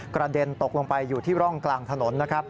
กระเด็นตกลงไปอยู่ที่ร่องกลางถนนนะครับ